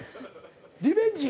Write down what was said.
リベンジ？